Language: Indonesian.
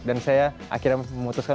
dan saya akhirnya memutuskan